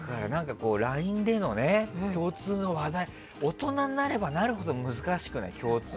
ＬＩＮＥでの共通の話題大人になればなるほど難しくない？